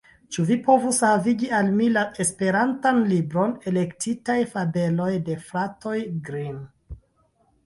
Ĉu vi povus havigi al mi la esperantan libron »Elektitaj fabeloj de fratoj Grimm«?